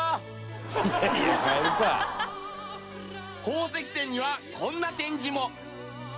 宝石展にはこんな展示も。